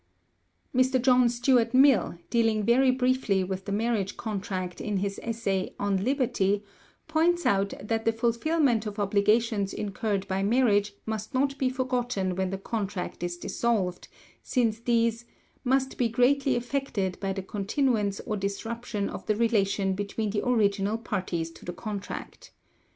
Mr. John Stuart Mill, dealing very briefly with the marriage contract in his essay "On Liberty," points out that the fulfilment of obligations incurred by marriage must not be forgotten when the contract is dissolved, since these "must be greatly affected by the continuance or disruption of the relation between the original parties to the contract."